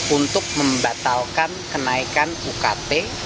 untuk membatalkan kenaikan ukt